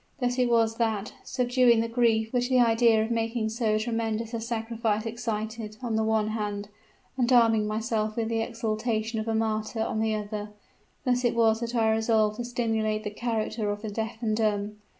Thus it was that, subduing the grief which the idea of making so tremendous a sacrifice excited, on the one hand and arming myself with the exultation of a martyr, on the other, thus it was that I resolved to simulate the character of the deaf and dumb.